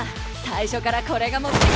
最初からこれが目的。